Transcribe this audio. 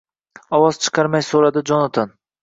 — ovoz chiqarmay so‘radi Jonatan.